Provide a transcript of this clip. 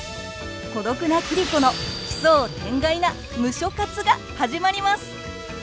孤独な桐子の奇想天外な「ムショ活」が始まります！